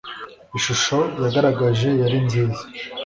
ishusho yagaragaje yari nziza